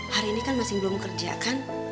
hari ini kan masih belum kerja kan